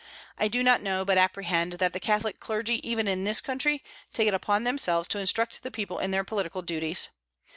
I do not know, but apprehend, that the Catholic clergy even in this country take it upon themselves to instruct the people in their political duties.